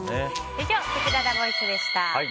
以上、せきららボイスでした。